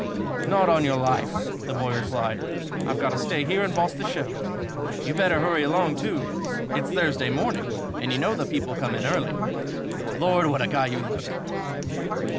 "Not on your life!" the boy replied. "I've got to stay here and boss the show. You'd better hurry along, too. It's Thursday morning and you know the people come in early. Lord, what a guy you look!"